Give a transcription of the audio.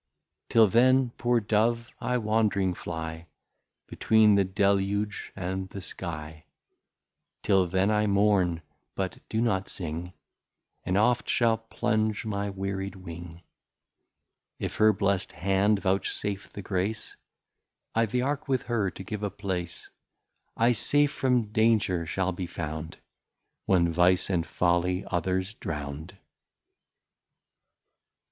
Till then poor Dove, I wandering fly Between the Deluge and the Skie: Till then I Mourn, but do not sing, And oft shall plunge my wearied wing: If her bless'd hand vouchsafe the Grace, I'th'Ark with her to give a place, I safe from danger shall be found, When Vice and Folly others drown'd.